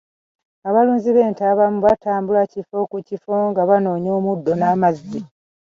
Abalunzi b'ente abamu batambula kifo ku kifo nga banoonya omuddo n'amazzi.